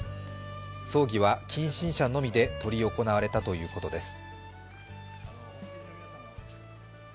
葬儀は近親者のみで執り行われたということです。